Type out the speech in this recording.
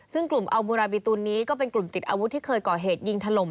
ซึ่งกลุ่มอัลบูราบิตุลนี้ก็เป็นกลุ่มติดอาวุธที่เคยก่อเหตุยิงถล่ม